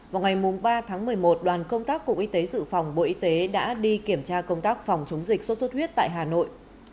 vào ngày ba tháng một mươi một đoàn công tác cục y tế dự phòng bộ y tế đã đi kiểm tra công tác phòng chống dịch sốt xuất huyết tại hà nội